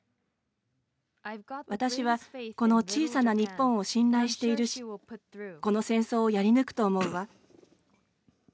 私は、この小さな日本を信頼しているしこの戦争をやり抜くと思うわ。